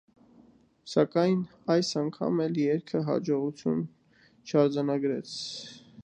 Սակայն այս անգամ էլ երգը հաջողություն չարձանագրեց։